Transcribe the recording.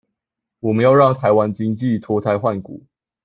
我們要讓臺灣經濟脫胎換骨